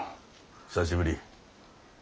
久しぶり。